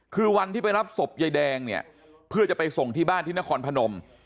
คือวันที่ไปรับศพยายแดงเนี่ยเพื่อจะไปส่งที่บ้านที่นครพนม